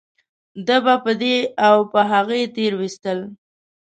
ده به په دې او په هغه تېرويستل .